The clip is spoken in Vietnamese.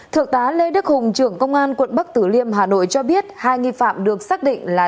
thượng tá lê đức hùng trưởng công an quận bắc tử liêm hà nội cho biết hai nghi phạm được xác định là